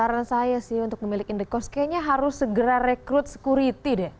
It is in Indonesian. saran saya sih untuk memiliki indekos kayaknya harus segera rekrut security deh